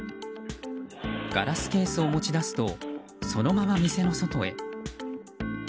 ガラスケースを持ち出すとそのまま店の外へ。